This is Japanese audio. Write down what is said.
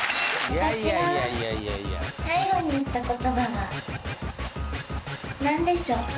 私が最後に言った言葉は何でしょう？